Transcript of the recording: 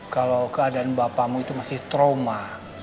kalau keadaan bapakmu itu masih trauma